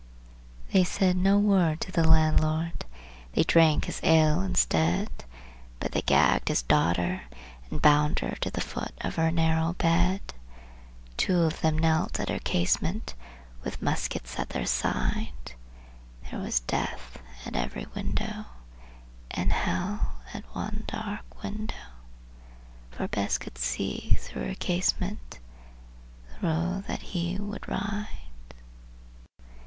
They said no word to the landlord; they drank his ale instead, But they gagged his daughter and bound her to the foot of her narrow bed. Two of them knelt at her casement, with muskets by their side; There was Death at every window, And Hell at one dark window, For Bess could see, through her casement, the road that he would ride.